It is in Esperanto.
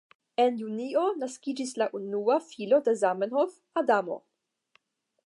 En Junio naskiĝis la unua filo de Zamenhof, Adamo.